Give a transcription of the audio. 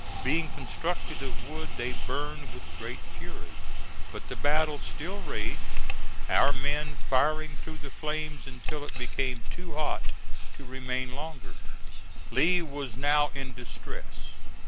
Being constructed of wood, they burned with great fury. But the battle still raged, our men firing through the flames until it became too hot to remain longer. Lee was now in distress.